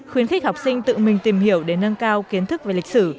khuyến khích học sinh tự mình tìm hiểu để nâng cao kiến thức về lịch sử